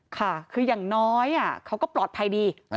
ค่ะคืออย่างน้อยเขาก็ปลอดภัยดี